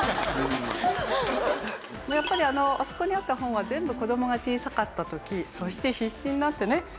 やっぱりあそこにあった本は全部子どもが小さかった時そして必死になってね